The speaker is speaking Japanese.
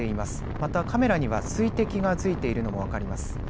またカメラには水滴がついているのも分かります。